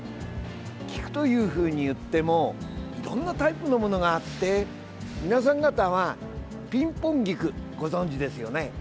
菊というふうにいってもいろんなタイプのものがあって皆さん方はピンポン菊、ご存じですよね。